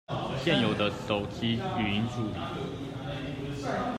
現有的手機語音助理